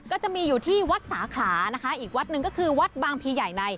ก็จะมีอยู่ที่วัดสาขลานะคะอีกวัดหนึ่งก็คือวัดบางพีใหญ่ใน